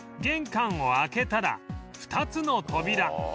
玄関を開けたら２つの扉